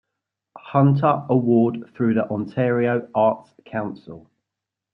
Hunter award through the Ontario Arts Council.